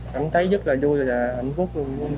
cảm thấy rất là vui và hạnh phúc